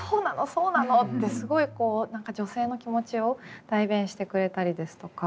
そうなの！」ってすごいこう何か女性の気持ちを代弁してくれたりですとか。